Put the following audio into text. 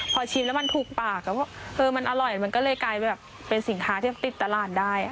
พอชิมแล้วมันถูกปากมันอร่อยมันก็เลยกลายแบบเป็นสินค้าที่ติดตลาดได้